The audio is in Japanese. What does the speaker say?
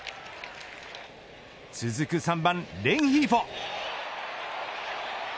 続く３番レンヒーフォ。